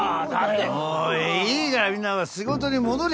もういいからみんな仕事に戻れ！